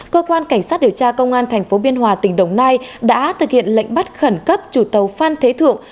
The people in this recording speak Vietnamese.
cơ quan cảnh sát điều tra công an tp biên hòa tỉnh đồng nai đã thực hiện lệnh bắt khẩn cấp chủ tàu phan thế thượng